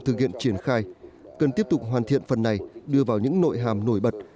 thực hiện triển khai cần tiếp tục hoàn thiện phần này đưa vào những nội hàm nổi bật